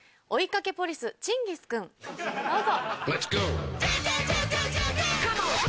どうぞ。